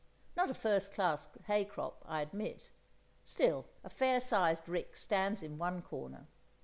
Not a first class hay crop, I admit; still, a fair sized rick stands in one corner.